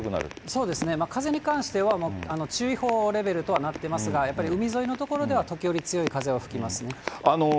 そうですね、風に関しては、注意報レベルとはなってますが、やっぱり海沿いの所では時折強い風は吹きますね。